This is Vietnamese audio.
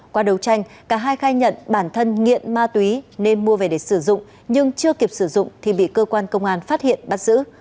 qua đấu tranh cả hai khai nhận bản thân nghiện ma túy nên mua về để sử dụng nhưng chưa kịp sử dụng thì bị cơ quan công an phát hiện bắt giữ